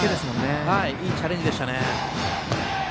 いいチャレンジでしたね。